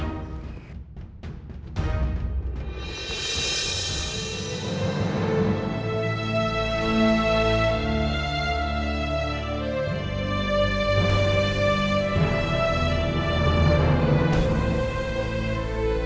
itu tidak perlu aku langsung tolong